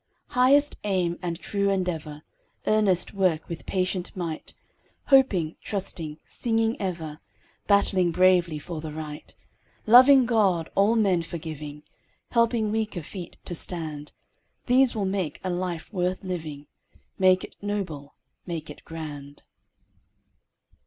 HIGHEST aim and true endeavor; Earnest work, with patient might; Hoping, trusting, singing ever; Battling bravely for the right; Loving God, all men forgiving; Helping weaker feet to stand, These will make a life worth living, Make it noble, make it grand.